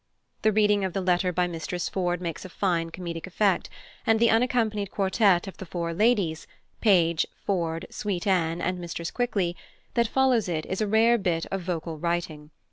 The reading of the letter by Mistress Ford makes a fine comic effect, and the unaccompanied quartet for the four ladies Page, Ford, Sweet Anne, and Mrs Quickly that follows it is a rare bit of vocal writing.